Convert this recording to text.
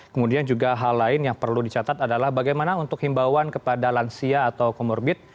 kemudian juga hal lain yang perlu dicatat adalah bagaimana untuk himbauan kepada lansia atau komorbit